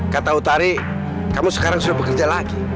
kata utari kamu sekarang sudah bekerja lagi